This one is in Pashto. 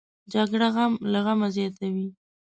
جګړه غم له غمه زیاتوي